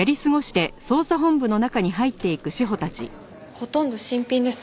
ほとんど新品です。